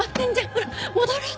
ほら戻ろう。